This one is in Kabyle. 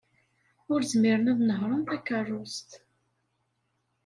Ur zmiren ad nehṛen takeṛṛust.